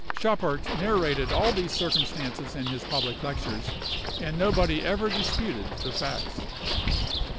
Schuppart narrated all these circumstances in his public lectures, and nobody ever disputed the facts.